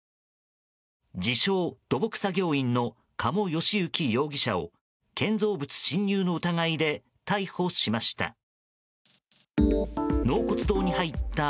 自称土木作業員の加茂義幸容疑者を建造物侵入の疑いで逮捕しました。